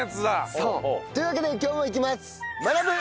そう！というわけで今日もいきます！